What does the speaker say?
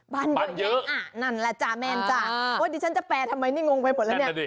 อ่ะนั่นแหละจ้ะแมนจ้ะว่าดิฉันจะแปลทำไมนี่งงไปหมดแล้วเนี่ย